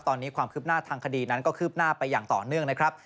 ตอนนี้ความคืบหน้าทางคดีนั้นก็คืบหน้าไปอย่างต่อเนื่องนะครับ